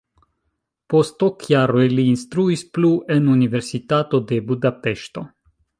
Post ok jaroj li instruis plu en Universitato de Budapeŝto.